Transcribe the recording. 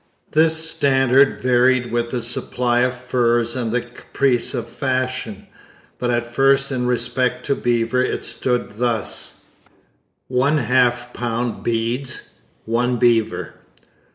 This standard varied with the supply of furs and the caprice of fashion; but at first in respect to beaver it stood thus: 1/2 lb. beads 1 beaver.